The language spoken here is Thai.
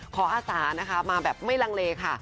อาสานะคะมาแบบไม่ลังเลค่ะ